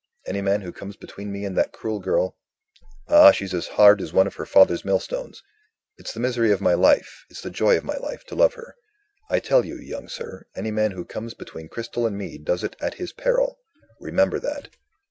Any man who comes between me and that cruel girl ah, she's as hard as one of her father's millstones; it's the misery of my life, it's the joy of my life, to love her I tell you, young sir, any man who comes between Cristel and me does it at his peril. Remember that."